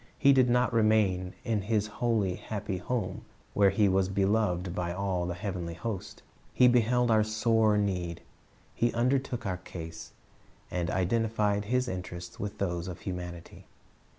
He did not remain in His holy, happy home, where He was beloved by all the heavenly host. He beheld our sore need, lie undertook our case, and identified His interests with those of humanity.